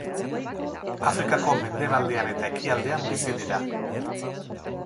Afrikako mendebaldean eta ekialdean bizi dira.